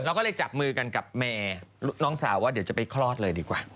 เราก็เลยจับมือกันกับแม่น้องสาวว่าเดี๋ยวจะไปคลอดเลยดีกว่า